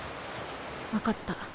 分かった。